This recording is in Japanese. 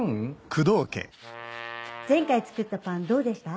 前回作ったパンどうでした？